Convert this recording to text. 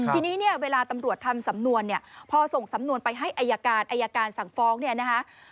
ทีนี้เนี่ยเวลาตำรวจทำสำนวนเนี่ยพอส่งสำนวนไปให้อายการอายการสั่งฟ้องเนี่ยนะคะ